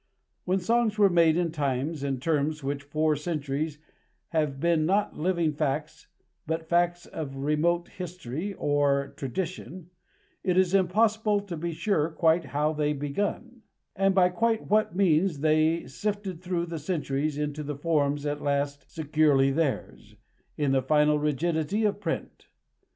When songs were made in times and terms which for centuries have been not living facts but facts of remote history or tradition, it is impossible to be sure quite how they begun, and by quite what means they sifted through the centuries into the forms at last securely theirs, in the final rigidity of print.